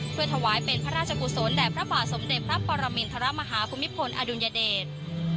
เพื่อถวายเป็นพระราชกุศลแด่พระบาทสมเด็จพระปรมินทรมาฮาภูมิพลอดุลยเดช